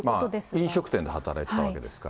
飲食店で働いていたわけですから。